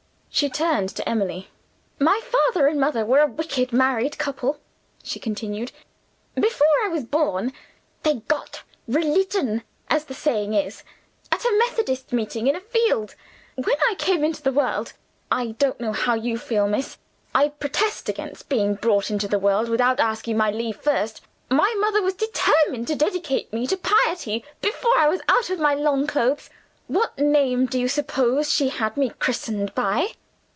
She turned to Emily. "My father and mother were a wicked married couple," she continued, "before I was born. They 'got religion,' as the saying is, at a Methodist meeting in a field. When I came into the world I don't know how you feel, miss; I protest against being brought into the world without asking my leave first my mother was determined to dedicate me to piety, before I was out of my long clothes. What name do you suppose she had me christened by?